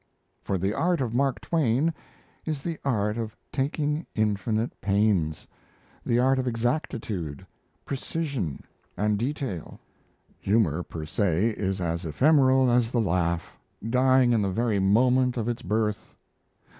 For the art of Mark Twain is the art of taking infinite pains the art of exactitude, precision and detail. Humour per se is as ephemeral as the laugh dying in the very moment of its birth.